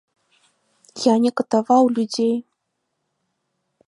Я не катаваў людзей.